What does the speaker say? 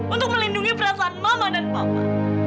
untuk melindungi perasaan mama dan papa